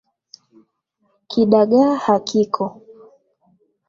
Kidagaa hakiko.